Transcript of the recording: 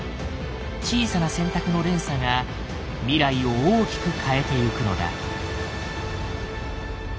小さな選択の連鎖が未来を大きく変えてゆくのだ。